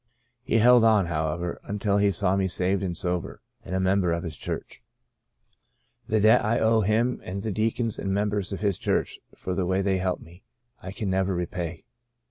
He held on, however, until he saw me saved and sober, and a member of his church. The debt I owe him and the deacons and members of his church for the way they helped me I can never repay.